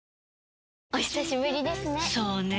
お久しぶりですね。